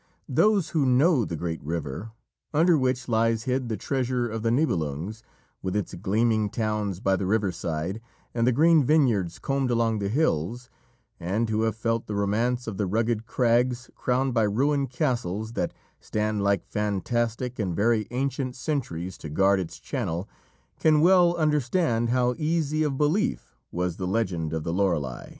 Those who know the great river, under which lies hid the treasure of the Nibelungs, with its "gleaming towns by the river side and the green vineyards combed along the hills," and who have felt the romance of the rugged crags, crowned by ruined castles, that stand like fantastic and very ancient sentries to guard its channel, can well understand how easy of belief was the legend of the Lorelei.